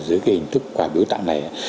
giữa cái hình thức qua biểu tạng này